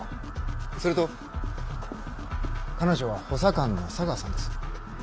それと彼女は補佐官の茶川さんです。